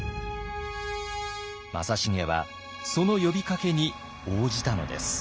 正成はその呼びかけに応じたのです。